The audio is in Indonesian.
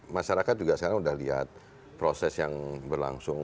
masyarakat juga sekarang sudah lihat proses yang berlangsung